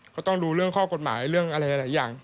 ก็ต้องดูเรื่องข้อกฎหมายเรื่องอะไรหลายอย่าง